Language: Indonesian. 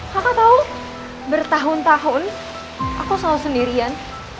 kakak tahu bertahun tahun aku selalu sendirian